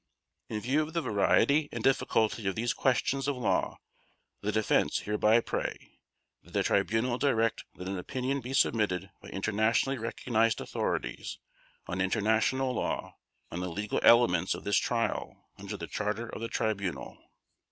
In view of the variety and difficulty of these questions of law the Defense hereby pray: That the Tribunal direct that an opinion be submitted by internationally recognized authorities on international law on the legal elements of this Trial under the Charter of the Tribunal.